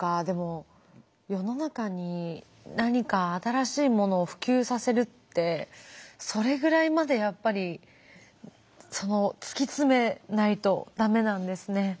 でも世の中に何か新しいものを普及させるってそれぐらいまでやっぱり突き詰めないと駄目なんですね。